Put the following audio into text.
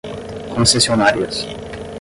concessionárias